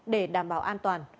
để đảm bảo an toàn